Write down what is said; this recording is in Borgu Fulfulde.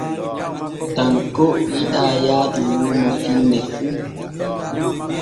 Tanko yiɗaa yaadu luumo finne fu.